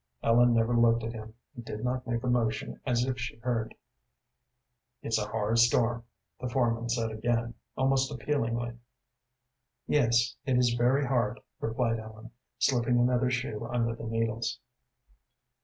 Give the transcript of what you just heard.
Ellen never looked at him, and did not make a motion as if she heard. "It's a hard storm," the foreman said again, almost appealingly. "Yes, it is very hard," replied Ellen, slipping another shoe under the needles.